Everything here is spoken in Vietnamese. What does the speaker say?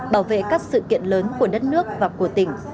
bảo vệ các sự kiện lớn của đất nước và của tỉnh